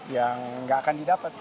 yang nggak akan didapat